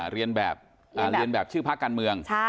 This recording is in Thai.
เรียนแบบชื่อพรรคการเมือง